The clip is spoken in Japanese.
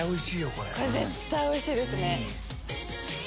これ絶対おいしいですね。